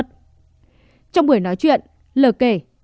trong buổi nói chuyện l kể